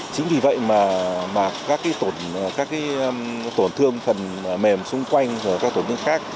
chính vì vậy mà các tổn thương phần mềm xung quanh và các tổn thương khác